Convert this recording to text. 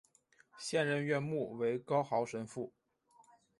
现任院牧为高豪神父。